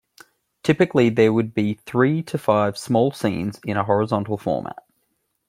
Typically there would be three to five small scenes, in a horizontal format.